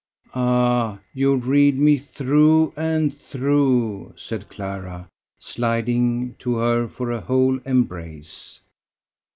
"Ah! you read me through and through," said Clara, sliding to her for a whole embrace.